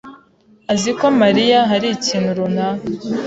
azi ko Mariya hari ikintu runaka.